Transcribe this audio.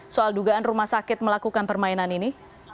soal dugaan rumah sakit melakukan permainan ini